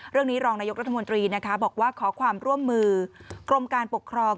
เรื่องนี้รองนายกรัฐมนตรีนะคะบอกว่าขอความร่วมมือกรมการปกครอง